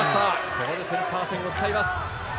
ここでセンター線を使います。